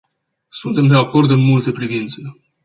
Suntem de acord în multe privințe.